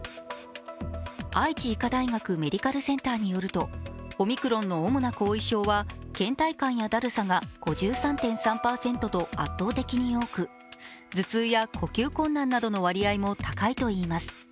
愛知医科大学メディカルセンターによると、オミクロンの主な後遺症はけん怠感やだるさが５３．３％と圧倒的に多く、頭痛や呼吸困難などの割合も高いといいます。